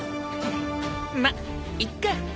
まっいっか。